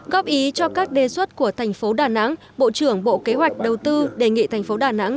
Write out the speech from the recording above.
góp ý cho các đề xuất của thành phố đà nẵng bộ trưởng bộ kế hoạch đầu tư đề nghị thành phố đà nẵng